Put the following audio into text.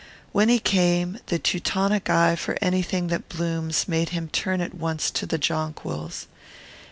When he came, the Teutonic eye for anything that blooms made him turn at once to the jonquils.